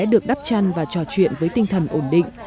được đắp chăn và trò chuyện với tinh thần ổn định